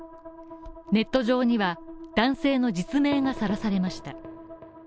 ネット上には、男性の実名がさらされました。